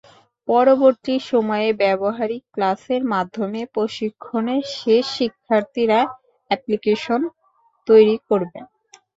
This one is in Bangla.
পরবর্তী সময়ে ব্যবহারিক ক্লাসের মাধ্যমে প্রশিক্ষণের শেষ দিকে শিক্ষার্থীরা অ্যাপ্লিকেশন তৈরি করবেন।